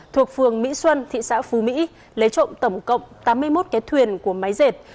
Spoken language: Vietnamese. thuộc phường mỹ xuân thị xã phú mỹ lấy trộm tổng cộng tám mươi một cái thuyền của máy dệt